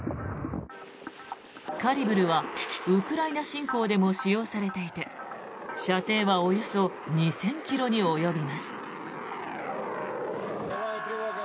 カリブルはウクライナ侵攻でも使用されていて射程はおよそ２０００ｋｍに及びます。